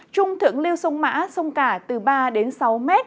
trung thưởng liêu sông mã sông cả từ ba sáu m